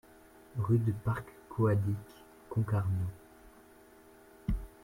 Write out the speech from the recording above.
Rue de Parc C'hoadic, Concarneau